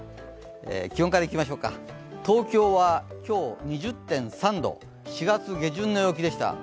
気温からいきましょうか、東京は今日、２０．３度、４月下旬の陽気でした。